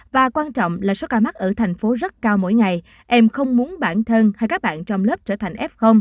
và quan trọng là số ca mắc ở thành phố rất cao mỗi ngày em không muốn bản thân hay các bạn trong lớp trở thành f